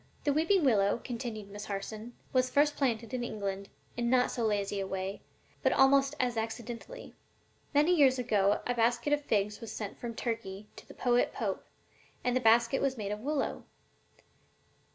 ] "The weeping willow," continued Miss Harson, "was first planted in England in not so lazy a way, but almost as accidentally. Many years ago a basket of figs was sent from Turkey to the poet Pope, and the basket was made of willow.